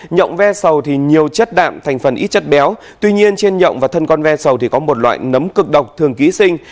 nó có chất đạm thành phần ít chất béo tuy nhiên trên nhậu và thân con ve sầu thì có một loại nấm cực độc thường ký sinh